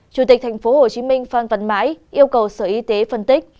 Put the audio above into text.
chủ tịch tp hcm phan văn mãi yêu cầu sở y tế phân tích